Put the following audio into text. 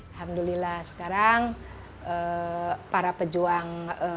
alhamdulillah sekarang para pejuang